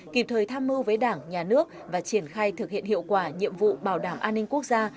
kịp thời tham mưu với đảng nhà nước và triển khai thực hiện hiệu quả nhiệm vụ bảo đảm an ninh quốc gia